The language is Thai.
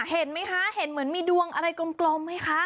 เห็นไหมคะเห็นเหมือนมีดวงอะไรกลมไหมคะ